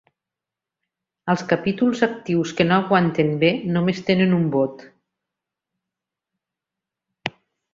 Els capítols actius que no aguanten bé només tenen un vot.